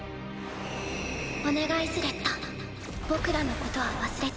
お願いスレッタ僕らのことは忘れて。